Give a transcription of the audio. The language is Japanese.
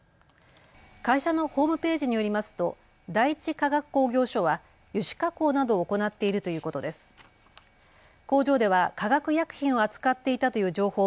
会社のホームページによりますと第一化学工業所は油脂加工などを行っているということです。